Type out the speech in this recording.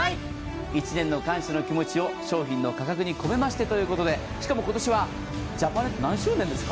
１年の感謝の気持ちを商品の価格に込めましてということで、しかも今年はジャパネット何周年ですか。